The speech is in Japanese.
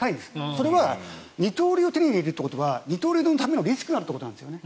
それは二刀流を手に入れるということは二刀流がリスクになるということなんです。